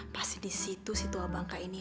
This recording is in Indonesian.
pasti disitu si tua bangka ini